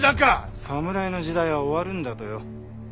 侍の時代は終わるんだとよ。